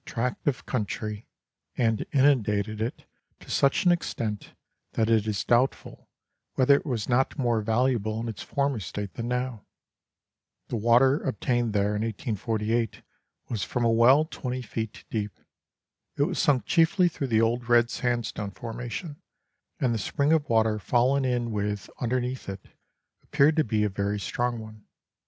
tract of country, and inundated it to such an extent that it is doubtful whether it was not more valuable in its former state than now. The water obtained there in 1848 was from a well 20 feet deep. It was sunk chiefly through the old red sandstone formation, 1 and the spring of water fallen in with underneath it appeared to be a very strong one.